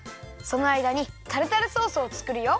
そのあいだにタルタルソースをつくるよ。